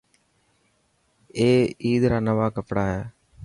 اي عيد را نوان ڪپڙا هي.